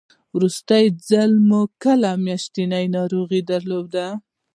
وروستی ځل مو کله میاشتنۍ ناروغي درلوده؟